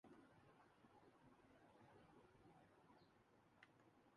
روشن دان کھول دو